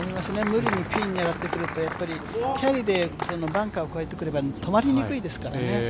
無理にピン狙ってくるとキャリーでバンカーを越えてくれば、止まりにくいですからね。